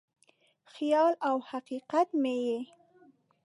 خیال او حقیقت مې یې